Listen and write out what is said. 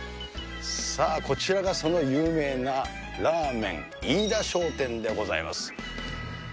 さあ、こちらがその有名ならぁ麺飯田商店でございます。